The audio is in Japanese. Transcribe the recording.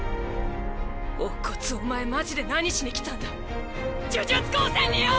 乙骨お前マジで何しに来たんだ呪術高専によ！